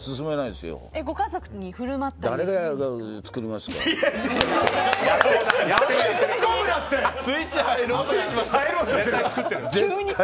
ご家族に振る舞ったりは。